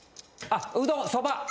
あっうどん蕎麦！